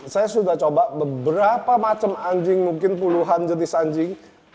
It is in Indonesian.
saya sudah coba beberapa macam anjing mungkin puluhan jenis anjing